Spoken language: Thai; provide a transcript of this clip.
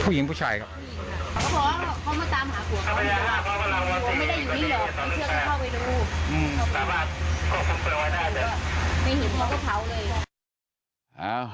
ผู้หญิงผู้ชายครับ